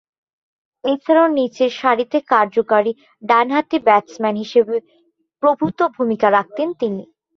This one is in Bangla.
এছাড়াও, নিচেরসারিতে কার্যকরী ডানহাতি ব্যাটসম্যান হিসেবে প্রভূতঃ ভূমিকা রাখতেন তিনি।